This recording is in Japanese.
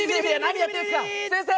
何やってんですか先生！